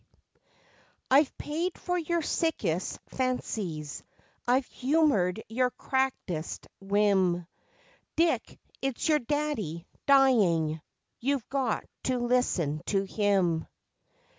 I've paid for your sickest fancies; I've humoured your crackedest whim Dick, it's your daddy dying: you've got to listen to him!